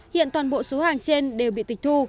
hiện toàn bộ số hàng trên đều bị tịch thu